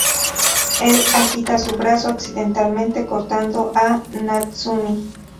Él agita su brazo, accidentalmente cortando a Natsumi.